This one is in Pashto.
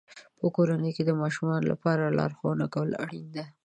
په کورنۍ کې د ماشومانو لپاره لارښوونه کول اړینه ده.